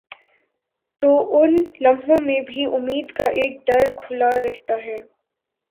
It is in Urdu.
تو ان لمحوں میں بھی امید کا ایک در کھلا رہتا ہے۔